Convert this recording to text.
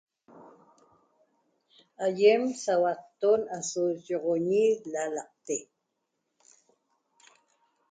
Aýem sauatton aso yi'oxoñi lalaqte